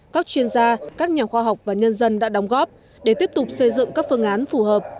các chuyên gia các nhà khoa học và nhân dân đã đóng góp để tiếp tục xây dựng các phương án phù hợp